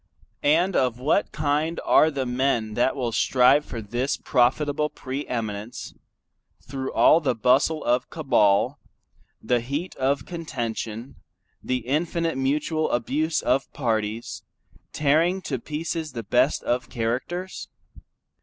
And of what kind are the men that will strive for this profitable pre eminence, through all the bustle of cabal, the heat of contention, the infinite mutual abuse of parties, tearing to pieces the best of characters?